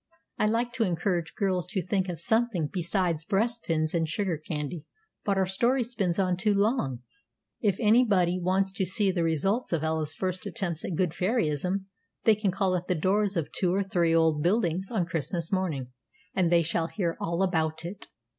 "I like to encourage girls to think of something besides breastpins and sugar candy." But our story spins on too long. If any body wants to see the results of Ella's first attempts at good fairyism, they can call at the doors of two or three old buildings on Christmas morning, and they shall hear all about it.